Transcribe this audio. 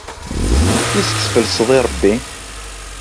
Isk tfelseḍ i Ṛebbi?